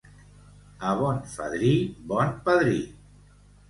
A bon fadrí, bon padrí.